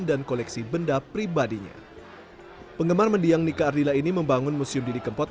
dan koleksi benda pribadinya penggemar mendiang nike ardila ini membangun museum didi kempot